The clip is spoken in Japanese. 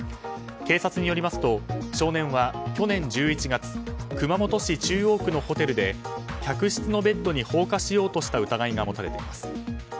警察によりますと少年は去年１１月熊本市中央区のホテルで客室のベッドに放火しようとした疑いが持たれています。